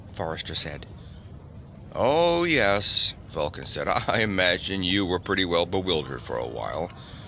Forrester said. "Oh, yes," Vulcan said. "I imagine you were pretty well bewildered for a while.